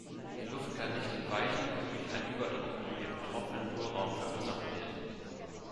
Die Luft kann nicht entweichen, wodurch ein Überdruck in dem betroffenen Hohlraum verursacht wird.